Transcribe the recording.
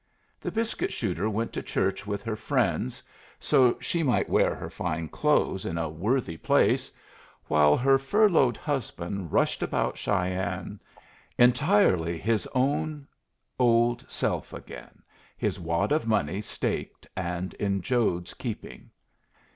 The biscuit shooter went to church with her friends, so she might wear her fine clothes in a worthy place, while her furloughed husband rushed about Cheyenne, entirely his own old self again, his wad of money staked and in Jode's keeping.